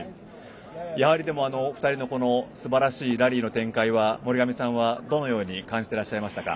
やはり２人のすばらしいラリーの展開を森上さんはどのように感じてらっしゃいましたか？